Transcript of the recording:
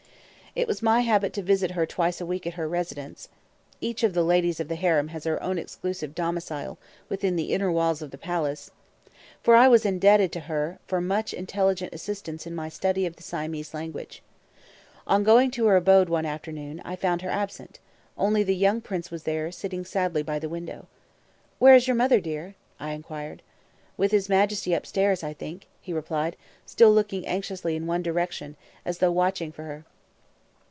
It was my habit to visit her twice a week at her residence, [Footnote: Each of the ladies of the harem has her own exclusive domicile, within the inner walls of the palace.] for I was indebted to her for much intelligent assistance in my study of the Siamese language. On going to her abode one afternoon, I found her absent; only the young prince was there, sitting sadly by the window. "Where is your mother, dear?" I inquired. "With his Majesty up stairs, I think," he replied, still looking anxiously in one direction, as though watching for her.